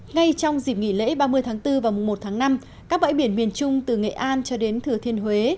ngay trong dịp nghỉ lễ ba mươi tháng bốn và mùa một tháng năm các bãi biển miền trung từ nghệ an cho đến thừa thiên huế